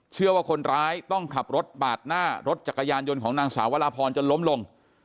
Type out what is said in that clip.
เชื่อว่าคนร้ายต้องขับรถปาดหน้ารถจักรยานยนต์ของนางสาววราพรจนล้มลง